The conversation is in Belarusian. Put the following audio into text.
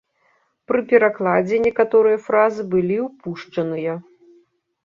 Пры перакладзе некаторыя фразы былі ўпушчаныя.